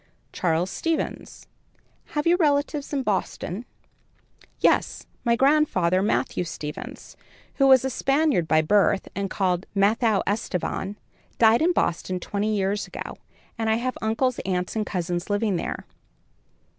"Charles Stevens." "Have you relatives in Boston?" "Yes, my grandfather, Mathew Stevens, who was a Spaniard by birth and called Mattheo Estevan, died in Boston twenty years ago, and I have uncles, aunts and cousins living there."